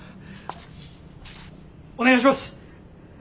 お願いします！